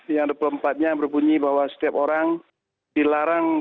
yang dua puluh empat nya berbunyi bahwa setiap orang dilarang